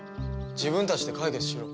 自分たちで解決しろ。